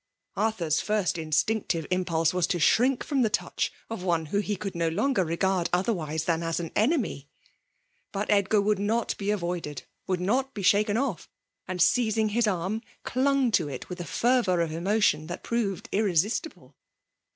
Arthur's first instinctive impulse was ta shrink from the touch of one whom he could no longer regard otherwise than as an enemy« But Edgar would not be avoided, ^would not be shaken off; and, seizing his arm, clung to it with a fervour of emotion that proved irre sistible.